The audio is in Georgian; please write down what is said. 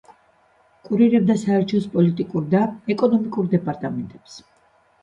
კურირებდა საელჩოს პოლიტიკურ და ეკონომიკურ დეპარტამენტებს.